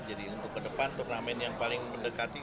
jadi untuk ke depan untuk main yang paling mendekati